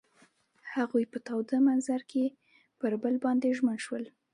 هغوی په تاوده منظر کې پر بل باندې ژمن شول.